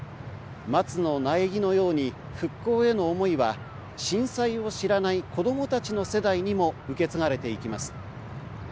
松の苗木のように、復興への思いは震災を知らない子供たちの世代にも受け継がれていきます。